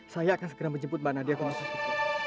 saya akan segera menjemput mbak nadia ke rumah sakit